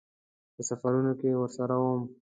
په سفرونو کې ورسره وم.